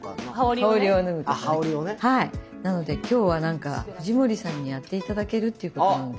なので今日は何か藤森さんにやって頂けるっていうことなので。